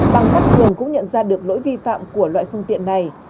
bằng mắt thường cũng nhận ra được lỗi vi phạm của loại phương tiện này